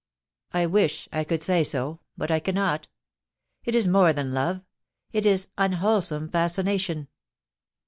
*' I wish I could say so, but I cannot It is more than love — it is unwholesome fascination.'